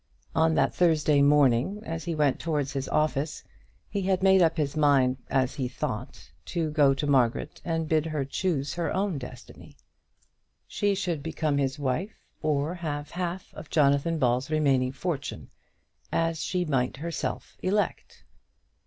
On that Thursday morning, as he went towards his office, he had made up his mind, as he thought, to go to Margaret and bid her choose her own destiny. She should become his wife, or have half of Jonathan Ball's remaining fortune, as she might herself elect.